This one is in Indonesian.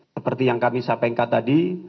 seperti yang kami sampaikan tadi